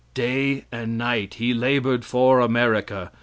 Day and night he labored for America.